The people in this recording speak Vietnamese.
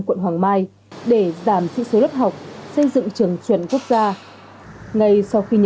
quận hoàng mai để giảm sự số lớp học xây dựng trường chuẩn quốc gia